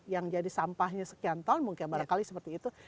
yang jadi sampahnya sekian ton mungkin barangkali seperti itu